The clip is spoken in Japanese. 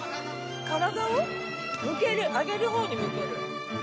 体を向ける上げる方に向ける。